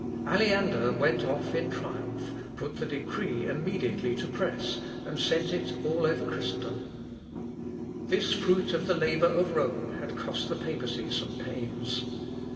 Aleander went off in triumph, put the decree immediately to press, and sent it over all Christendom. This fruit of the labour of Rome had cost the papacy some pains.